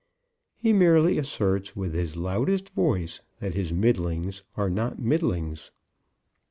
He merely asserts with his loudest voice that his middlings are not middlings.